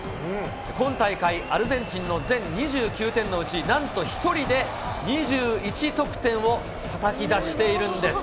今大会アルゼンチンの全２９点のうち、なんと１人で２１得点をたたき出しているんです。